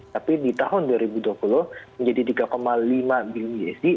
tapi di tahun dua ribu dua puluh menjadi tiga lima bilion usd